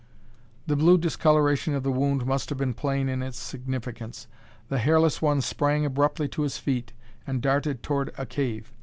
The blue discoloration of the wound must have been plain in its significance. The hairless one sprang abruptly to his feet and darted toward a cave.